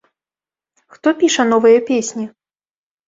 Хто піша новыя песні?